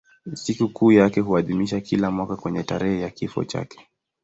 Sikukuu yake huadhimishwa kila mwaka kwenye tarehe ya kifo chake.